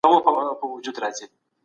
وچکالی د هېواد ډېرې سیمې زیانمني کړي دي.